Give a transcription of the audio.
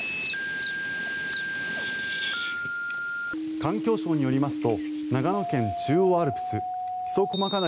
環境省によりますと長野県中央アルプス木曽駒ヶ岳